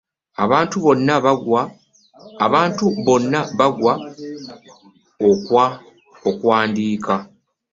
Abantu bonna baggwa okwandiika.